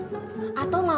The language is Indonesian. atau mau kita bantu